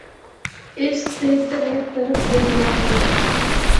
اس دے ترے طرف دریا اے۔